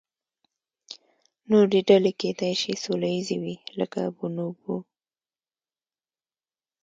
نورې ډلې کیدای شي سوله ییزې وي، لکه بونوبو.